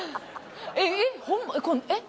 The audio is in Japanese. えっえっホンマえっ？